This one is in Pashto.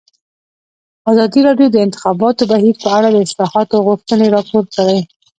ازادي راډیو د د انتخاباتو بهیر په اړه د اصلاحاتو غوښتنې راپور کړې.